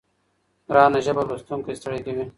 ګرانه ژبه لوستونکی ستړی کوي.